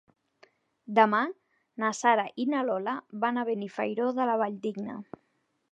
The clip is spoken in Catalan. Demà na Sara i na Lola van a Benifairó de la Valldigna.